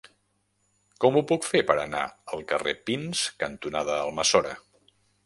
Com ho puc fer per anar al carrer Pins cantonada Almassora?